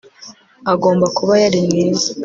agomba kuba yari mwiza